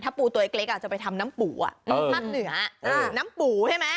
ปูตัวเล็กอาจจะไปทำน้ำปู่ภาคเหนือน้ำปูใช่ไหม